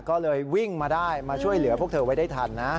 ก็เลยวิ่งมาได้มาช่วยเหลือพวกเธอไว้ได้ทันนะ